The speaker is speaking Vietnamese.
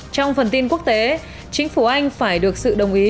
trong phần tin quốc tế chính phủ anh phải được sự đồng ý